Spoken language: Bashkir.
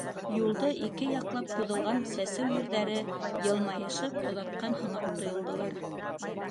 Юлды ике яҡлап һуҙылған сәсеү ерҙәре йылмайышып оҙатҡан һымаҡ тойолдолар.